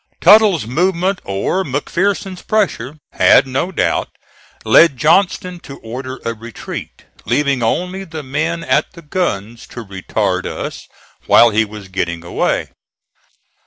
Tuttle's movement or McPherson's pressure had no doubt led Johnston to order a retreat, leaving only the men at the guns to retard us while he was getting away.